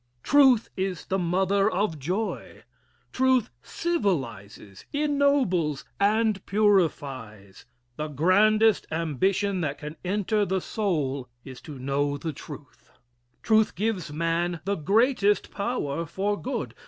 Truth is the mother of joy. Truth civilizes, ennobles, and purifies. The grandest ambition that can enter the soul is to know the truth. Truth gives man the greatest power for good.